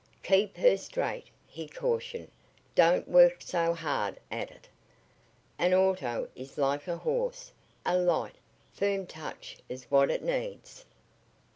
"Keep her straight," he cautioned. "Don't work so hard at it. An auto is like a horse a light, firm touch is what it needs."